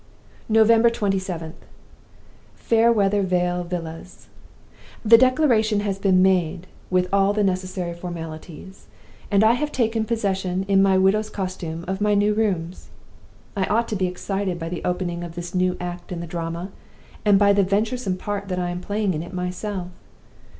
"November 27th. Fairweather Vale Villas. The Declaration has been made, with all the necessary formalities. And I have taken possession, in my widow's costume, of my new rooms. "I ought to be excited by the opening of this new act in the drama, and by the venturesome part that I am playing in it myself.